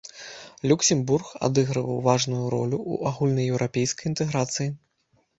Люксембург адыгрываў важную ролю ў агульнаеўрапейскай інтэграцыі.